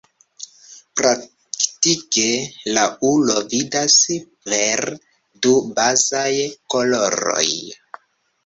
Praktike la ulo vidas per du bazaj koloroj.